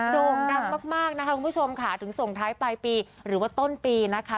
โด่งดังมากนะคะคุณผู้ชมค่ะถึงส่งท้ายปลายปีหรือว่าต้นปีนะคะ